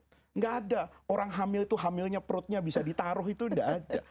tidak ada orang hamil itu hamilnya perutnya bisa ditaruh itu tidak ada